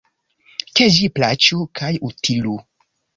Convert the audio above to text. Ke ĝi plaĉu kaj utilu!